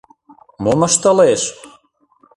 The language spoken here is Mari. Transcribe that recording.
Мом ыштылеш?